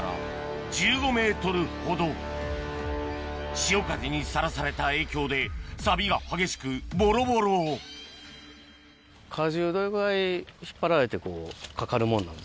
潮風にさらされた影響でサビが激しくボロボロ８００ｋｇ。